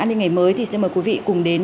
an ninh ngày mới thì xin mời quý vị cùng đến